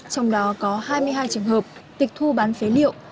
trong đó có hai mươi hai trường hợp tịch thu bán phế liệu